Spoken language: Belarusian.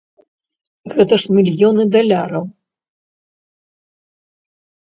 Гэта ж мільёны даляраў.